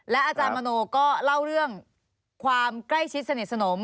อาจารย์มโนก็เล่าเรื่องความใกล้ชิดสนิทสนม